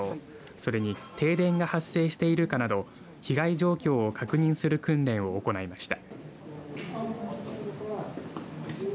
それに停電が発生しているかなど被害状況を確認する訓練を行いました。